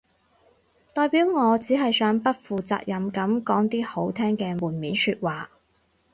代表我只係想不負責任噉講啲好聽嘅門面說話